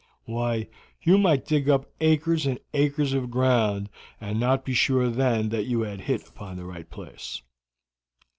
Why, you might dig up acres and acres of ground and not be sure then that you had hit upon the right place."